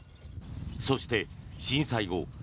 そして震災後